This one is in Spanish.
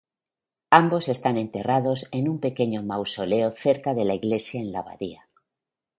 Ambos están enterrados en un pequeño mausoleo cerca de la iglesia en la abadía.